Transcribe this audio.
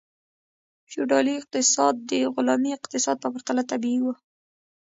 فیوډالي اقتصاد د غلامي اقتصاد په پرتله طبیعي و.